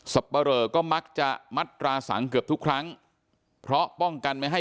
ปะเรอก็มักจะมัดตราสังเกือบทุกครั้งเพราะป้องกันไม่ให้